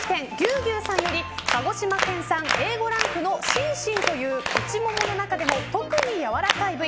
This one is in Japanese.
牛さんより鹿児島県産Ａ５ランクのシンシンという内ももの中でも特にやわらかい部位